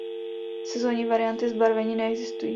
Sezónní varianty zbarvení neexistují.